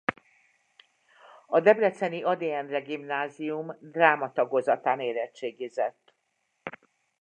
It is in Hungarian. A debreceni Ady Endre Gimnázium dráma tagozatán érettségizett.